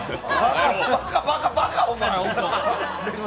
バカバカバカ！